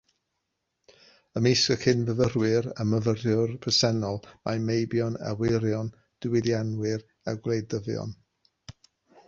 Ymysg y cyn-fyfyrwyr a'r myfyrwyr presennol mae meibion ac wyrion diwydianwyr a gwleidyddion.